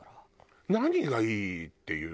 何がいいって言う？